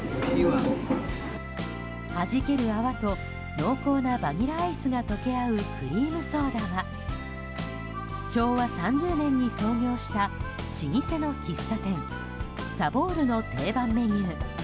はじける泡と濃厚なバニラアイスが溶け合うクリームソーダは昭和３０年に創業した老舗の喫茶店さぼうるの定番メニュー。